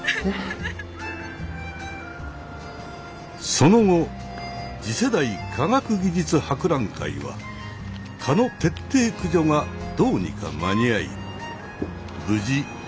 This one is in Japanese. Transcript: その後次世代科学技術博覧会は蚊の徹底駆除がどうにか間に合い無事開催されることとなった。